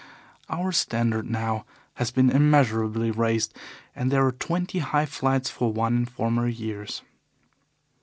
Our standard now has been immeasurably raised, and there are twenty high flights for one in former years.